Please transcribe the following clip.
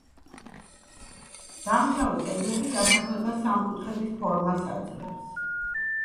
დამცავი კედლები დასახლებას სამკუთხედის ფორმას აძლევს.